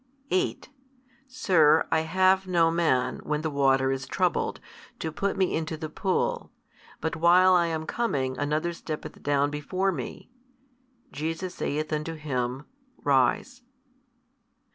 8 Sir, I have no man, when the water is troubled, to put me into the pool: but while I am coming, another steppeth down before me. Jesus saith unto him, Rise.